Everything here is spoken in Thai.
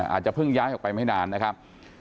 อาจจะเพิ่งย้ายออกไปไม่นานนะครับ